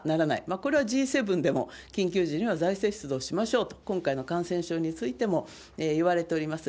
これはＧ７でも、緊急時には財政出動しましょうと、今回の感染症についてもいわれております。